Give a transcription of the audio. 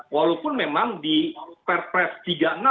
walaupun memang di perpres tiga puluh enam dua ribu dua puluh tiga